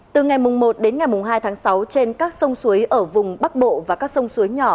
từ ngày một đến ngày hai tháng sáu trên các sông suối ở vùng bắc bộ và các sông suối nhỏ